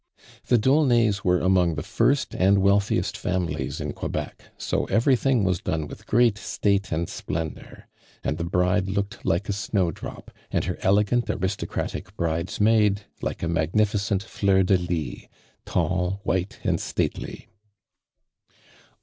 Tlio D'Aulnays were among the first and wealthiest families in Quebec, so everything was ilone with great state and splendor; and the bride looked like a snowdrop, und her elegant aristocratic bridesmaid like a magnificent Jleur de lis, tall, white and stutely.